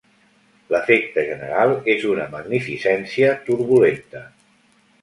L'efecte general és una magnificència turbulenta.